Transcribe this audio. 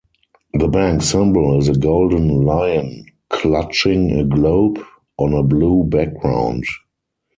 The bank's symbol is a golden lion clutching a globe, on a blue background.